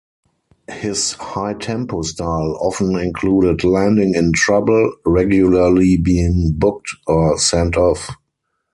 His high-tempo style often included landing in trouble, regularly being booked or sent off.